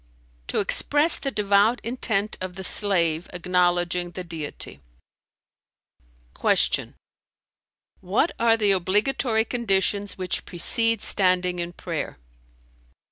"To express the devout intent of the slave acknowledging the Deity." Q "What are the obligatory conditions which precede standing in prayer?"